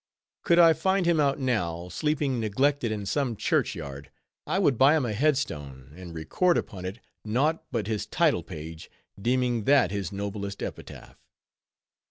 Could I find him out now, sleeping neglected in some churchyard, I would buy him a headstone, and record upon it naught but his title page, deeming that his noblest epitaph.